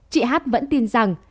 chị hát vẫn tin rằng